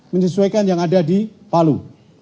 menyesuaikan yang ada di palu